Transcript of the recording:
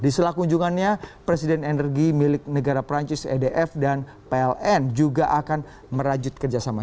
di selakunjungannya presiden energi milik negara perancis edf dan pln juga akan merajut kerjasama